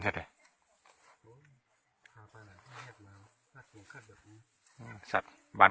แต่ถ้าขนาดกะอย่างเข้าบ้านหลวงบ้านแก่งตูเสื้อผ้า